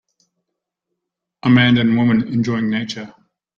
A man and a woman enjoying nature.